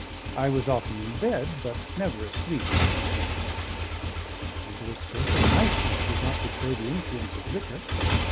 I was often in bed, but never asleep, when he returned; and there was scarce a night when he did not betray the influence of liquor.